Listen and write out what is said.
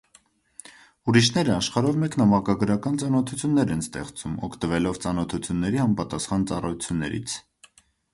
Ուրիշները աշխարհով մեկ նամակագրական ծանոթություններ են ստեղծում՝ օգտվելով ծանոթությունների համապատասխան ծառայություններից։